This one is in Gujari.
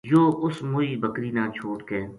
یوہ اُس موئی بکری نا چھوڈ کے